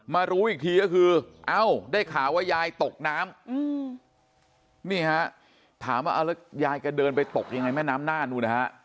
มารู้อีกทีก็คือเอ้าได้ข่าวว่ายายตกน้ำนี่ฮะถามว่ายายก็เดินไปตกยังไงแม่น้ำหน้าดูนะฮะ